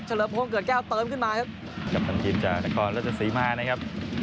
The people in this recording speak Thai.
เฉลิมโครงเกิดแก้วเติมขึ้นมาครับกัปตันทีมจะดักคลอดแล้วจะสีมานะครับ